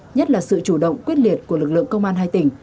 nhất là sự chủ động quyết liệt của lực lượng công an hai tỉnh